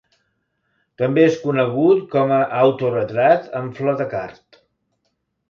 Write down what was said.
També és conegut com a Autoretrat amb flor de card.